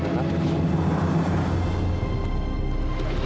lo gak ada apa apa